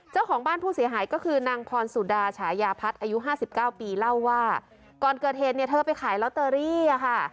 เจ้าของบ้านผู้เสียหายก็คือนางพรสุดาฉายาพัฒน์อายุห้าสิบเก้าปีเล่าว่าก่อนเกิดเหตุเนี่ยเธอไปขายลอตเตอรี่อ่ะค่ะ